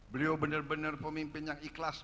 beliau benar benar pemimpin yang ikhlas